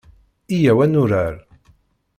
Yyaw ad nurar.